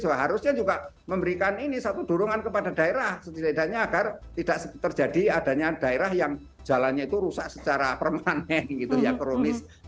seharusnya juga memberikan ini satu dorongan kepada daerah setidaknya agar tidak terjadi adanya daerah yang jalannya itu rusak secara permanen gitu ya kronis